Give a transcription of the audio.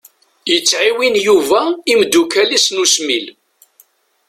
Yettɛiwin Yuba imeddukal-is n usmil.